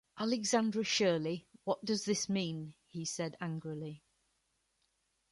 “Alexandra Shirley, what does this mean?” he said angrily.